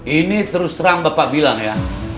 ini terus terang bapak bilang ya